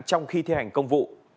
trong khi thi hành công vụ